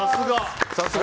さすが！